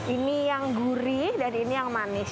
ini yang gurih dan ini yang manis